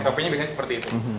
sop nya biasanya seperti itu